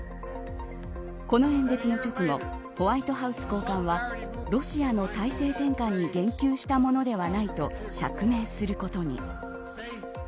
この演説の直後ホワイトハウス高官はロシアの体制転換に言及したものではないと釈明することに。